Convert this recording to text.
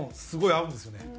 すごい合うんですよね。